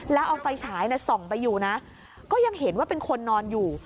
แล้วเอาไฟฉายส่องไปอยู่นะก็ยังเห็นว่าเป็นคนนอนอยู่